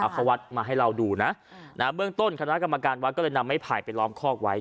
เขาวัดมาให้เราดูนะเบื้องต้นคณะกรรมการวัดก็เลยนำไม้ไผ่ไปล้อมคอกไว้